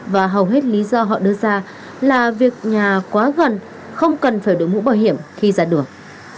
và hầu hết lý do họ đưa ra là việc nhà quá gần không cần phải đổi mũ bảo hiểm khi ra đường